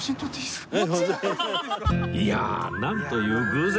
いやあなんという偶然！